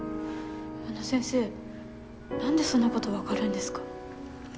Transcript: あの先生何でそんなこと分かるんですか？